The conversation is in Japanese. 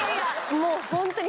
もうホントに。